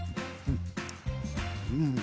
うん。